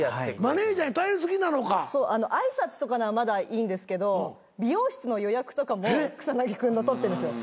挨拶とかならまだいいんですけど美容室の予約とかも草薙君の取ってるんですよ。